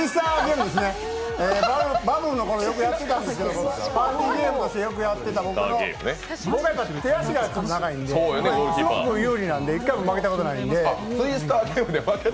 バブルのころ、よくやってたんですけど、パーティーゲームとしてよくやってたんですけど僕、手足が長いんですごく有利なんで一回も負けたことがないので。